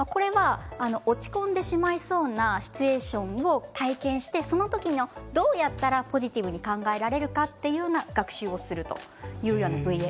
落ち込んでしまいそうなシチュエーションを体現してどうやったらポジティブに考えられるかという学習をするものです。